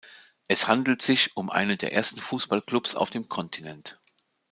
Es handelt sich um einen der ersten Fußballclubs auf dem Kontinent.